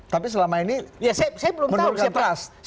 tapi selama ini menurunkan trust